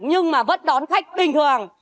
nhưng mà vẫn đón khách bình thường